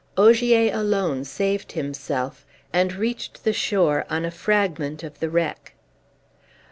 Ogier alone saved himself, and reached the shore on a fragment of the wreck.